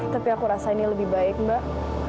tapi aku rasa ini lebih baik mbak